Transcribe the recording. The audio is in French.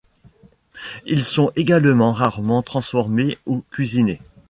Ils sont également rarement transformés ou cuisinés.